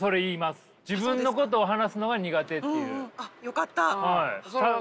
よかった。